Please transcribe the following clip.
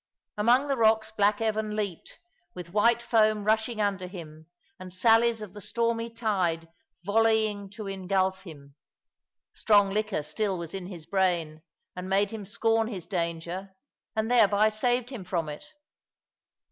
Among the rocks black Evan leaped, with white foam rushing under him, and sallies of the stormy tide volleying to engulf him. Strong liquor still was in his brain, and made him scorn his danger, and thereby saved him from it.